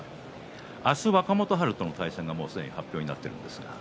明日、若元春との対戦がすでに発表になっています。